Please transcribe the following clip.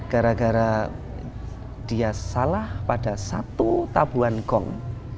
gara gara dia salah pada satu tabuan gong